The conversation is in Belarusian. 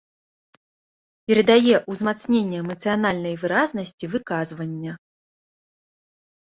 Перадае ўзмацненне эмацыянальнай выразнасці выказвання.